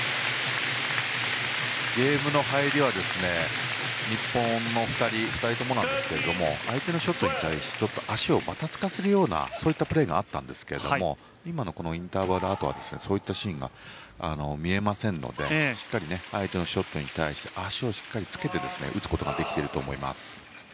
ゲームの入りは日本は２人ともですが相手のショットに対してちょっと足をばたつかせるようなそういったプレーがあったんですけどもインターバルあとはそういったシーンが見えませんのでしっかり相手のショットに対し足をしっかりつけて打つことができてると思います。